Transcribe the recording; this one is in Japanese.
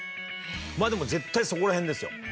まあでも絶対そこら辺ですよ。